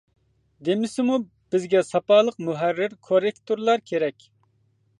دېمىسىمۇ بىزگە ساپالىق مۇھەررىر، كوررېكتورلار كېرەك!